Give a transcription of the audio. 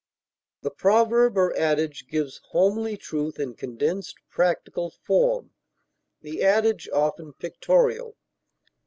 The proverb or adage gives homely truth in condensed, practical form, the adage often pictorial.